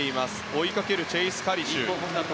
追いかけるチェイス・カリシュ。